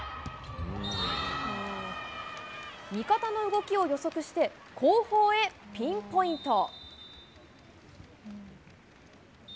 味方の動きを予測して、後方へピンポイント。